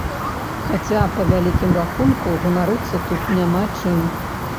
Хаця, па вялікім рахунку, ганарыцца тут няма чым.